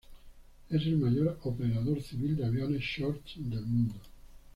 Es el mayor operador civil de aviones Shorts del mundo.